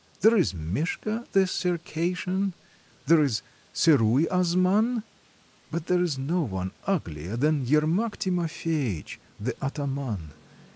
There is Mishka the Circassian, there is Sarui Azman ... but there is no one uglier than Yer mak Timofeytch, the ataman.